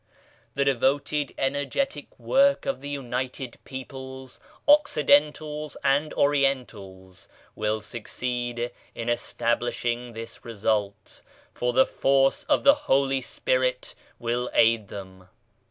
The devoted energetic work of the United Peoples, Occidentals and Orientals, will succeed in establishing this result, for the force of the Holy Spirit will aid them.